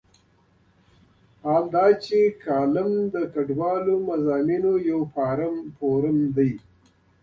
حال دا چې کالم د ګډوله مضامینو یو فورم دی.